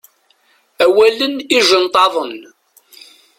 Awalen ijenṭaḍen.